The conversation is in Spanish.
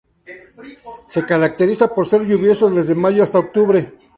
Se caracteriza por ser lluvioso desde mayo hasta octubre.